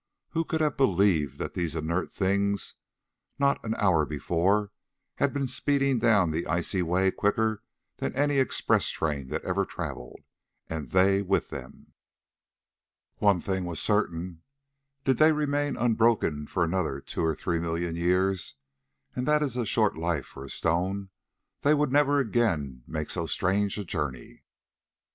Who could have believed that these inert things, not an hour before, had been speeding down the icy way quicker than any express train that ever travelled, and they with them? One thing was certain: did they remain unbroken for another two or three million years, and that is a short life for a stone, they would never again make so strange a journey.